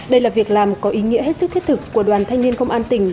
đây là việc làm có ý nghĩa hết sức thiết thực của đoàn thanh niên công an tỉnh